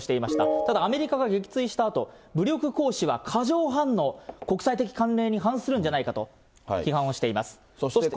ただアメリカが撃墜したあと、武力行使は過剰反応、国際的慣例に反するんじゃないかと批判をしています。